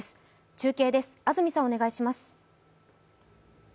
中継です、安住さんお願いします。